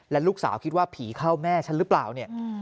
และลูกสาวคิดว่าผีเข้าแม่ฉันหรือเปล่าเนี่ย